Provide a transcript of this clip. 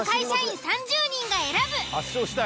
圧勝したい。